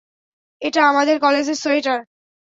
এটা আমাদের কলেজের সোয়েটার।